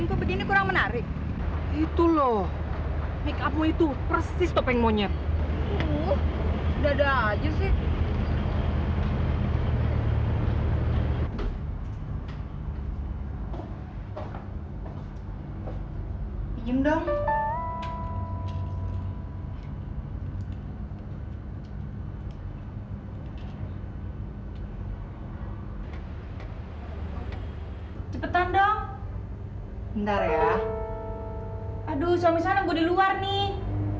cepetan dong ntar ya aduh suami sana gue di luar nih